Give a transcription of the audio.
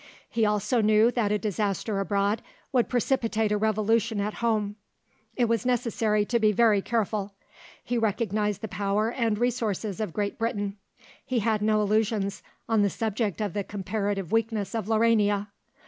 He also knew that a disaster abroad would precipitate a revolution at home. It was necessary to be very careful. He recognised the power and resources of Great Britain; he had no illusions on the subject of the comparative weakness of Laurania.